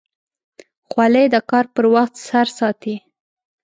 خولۍ د کار پر وخت سر ساتي.